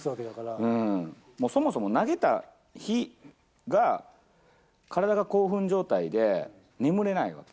そもそも投げた日が、体が興奮状態で眠れないわけ。